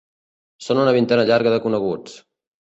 Són una vintena llarga de coneguts.